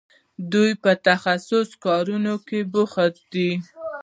دوی په تخصصي کارونو کې بوختې دي.